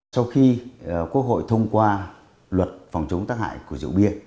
sau khi quốc hội thông qua luật phòng chống tác hại của rượu bia